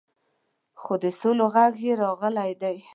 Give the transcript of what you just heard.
خو د سولې غږ یې راغلی دی.